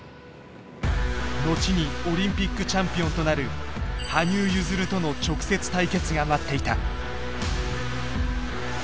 後にオリンピックチャンピオンとなる羽生結弦との直接対決が待っていた。